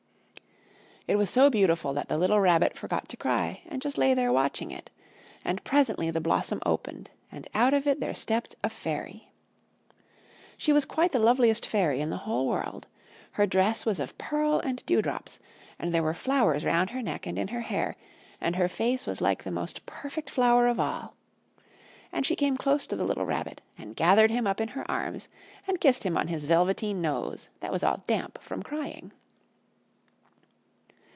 It was so beautiful that the little Rabbit forgot to cry, and just lay there watching it. And presently the blossom opened, and out of it there stepped a fairy. She was quite the loveliest fairy in the whole world. Her dress was of pearl and dew drops, and there were flowers round her neck and in her hair, and her face was like the most perfect flower of all. And she came close to the little Rabbit and gathered him up in her arms and kissed him on his velveteen nose that was all damp from crying.